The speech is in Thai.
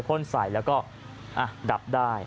โอ้โหออกมาจากการไปซื้อของเห็นอย่างนี้ก็ตกใจสิครับ